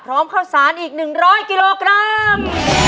พร้อมข้าวสารอีก๑๐๐กิโลเกรม